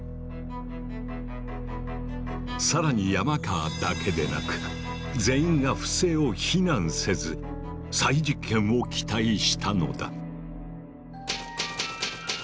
更に山川だけでなく全員が不正を非難せず再実験を期待したのだ。